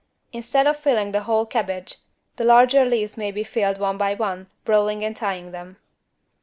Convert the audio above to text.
Instead of filling the whole cabbage, the larger leaves may be filled one by one, rolling and tying them.